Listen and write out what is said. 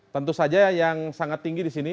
tentu saja yang sangat tinggi disini